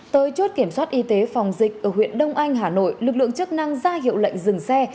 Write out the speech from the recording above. tới chốt kiểm soát y tế phòng dịch ở huyện đông anh hà nội lực lượng chức năng ra hiệu lệnh dừng xe